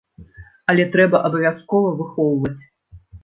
Але трэба абавязкова выхоўваць.